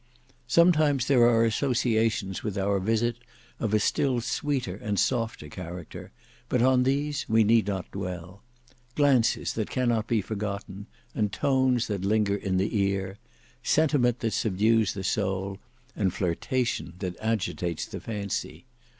Sometimes there are associations with our visit of a still sweeter and softer character, but on these we need not dwell: glances that cannot be forgotten, and tones that linger in the ear; sentiment that subdues the soul, and flirtation that agitates the fancy.